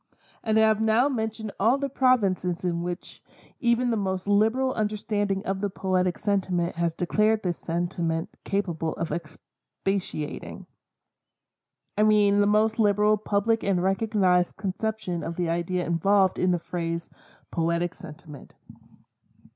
And I have now mentioned all the provinces in which even the most liberal understanding of the poetic sentiment has declared this sentiment capable of expatiating. I mean the most liberal public or recognized conception of the idea involved in the phrase "poetic sentiment."